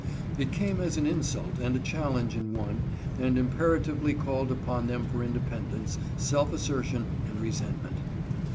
It came as an insult and a challenge in one, and imperatively called upon them for independence, self assertion, and resent ment.